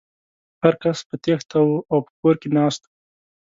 هر کس په تېښته و او په کور کې ناست و.